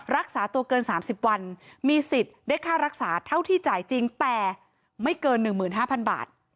รักษาตัวเกิน๓๐วันมีสิทธิ์ได้ค่ารักษาเท่าที่จ่ายจริงแต่ไม่เกิน๑๕๐๐บาท